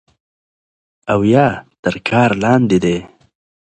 او يا تر كار لاندې دی